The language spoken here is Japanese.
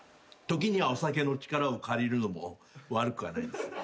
時にはお酒の力を借りるのも悪くはないですね。